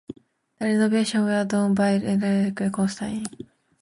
The renovations were done by architect Albert Constantin.